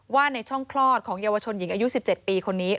ในช่องคลอดของเยาวชนหญิงอายุ๑๗ปีคนนี้